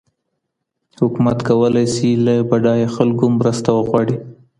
حکومت کولای سي له بډایه خلګو مرسته وغواړي.